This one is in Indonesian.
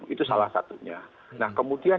itu salah satunya nah kemudian